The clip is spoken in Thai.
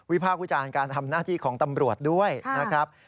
ภาควิจารณ์การทำหน้าที่ของตำรวจด้วยนะครับ